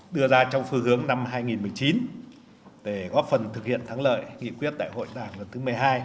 đưa ra trong phương hướng năm hai nghìn một mươi chín để góp phần thực hiện thắng lợi nghị quyết đại hội đảng lần thứ một mươi hai